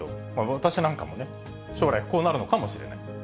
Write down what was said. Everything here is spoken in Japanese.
私なんかもね、将来、こうなるのかもしれない。